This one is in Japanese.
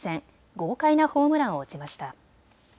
豪快なホームランを打ちました。